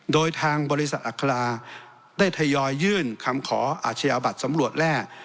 โดยทางบริษัทอัคราได้ทยอยยื่นคำขออาชญาบัตรสำรวจแร่